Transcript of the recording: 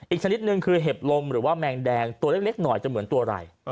อีกชนิดนึงคือเห็บลมหรือว่าแมงแดงตัวเล็กหน่อยจะเหมือนตัวอะไร